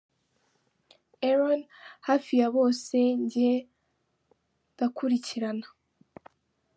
Aron : Hafi ya bose, njye ndakurikirana.